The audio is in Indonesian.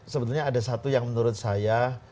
sebetulnya ada satu yang menurut saya